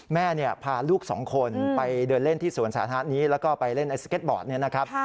แม่พาลูกสองคนไปเดินเล่นที่สวนสาธารณะนี้แล้วก็ไปเล่นไอสเก็ตบอร์ดเนี่ยนะครับ